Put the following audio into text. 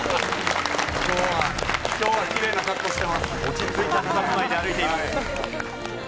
今日はキレイな格好しています。